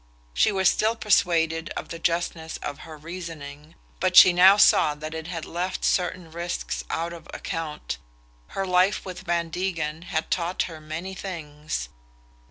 She was still persuaded of the justness of her reasoning; but she now saw that it had left certain risks out of account. Her life with Van Degen had taught her many things.